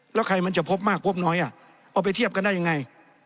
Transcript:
แล้วใครมันจะพบมากพบน้อยเอาไปเทียบกันได้ยังไง